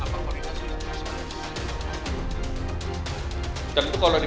yang menurut presiden joko widodo